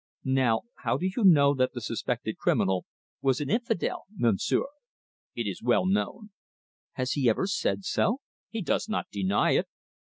Now how do you know that the suspected criminal was an infidel, Monsieur?" "It is well known." "Has he ever said so?" "He does not deny it."